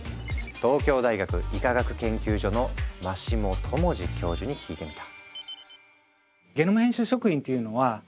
東京大学医科学研究所の真下知士教授に聞いてみた。